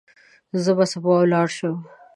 زه به سبا ولاړ شم.